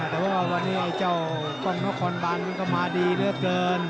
แต่ว่าวันนี้เจ้าบรรณครกรบันก็มาดีมากเกิน